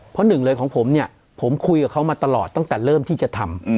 เพราะหนึ่งเลยของผมเนี่ยผมคุยกับเขามาตลอดตั้งแต่เริ่มที่จะทำ